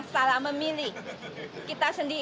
salah memilih kita sendiri